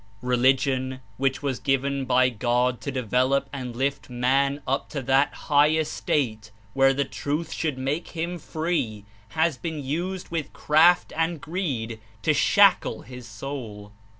Religion, which was given by God to develop and lift man up to that high estate where the Truth should make him free, has been used with craft and greed to shackle his soul.